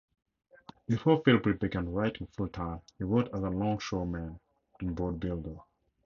Before Philbrick began writing full-time, he worked as a longshoreman and boat builder.